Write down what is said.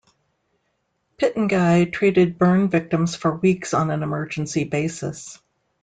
Pitanguy treated burn victims for weeks on an emergency basis.